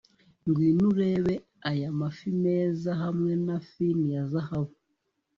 ngwino urebe aya mafi meza hamwe na fin ya zahabu